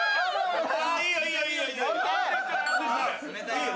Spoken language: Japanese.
いいよ。